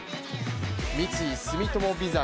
三井住友ＶＩＳＡ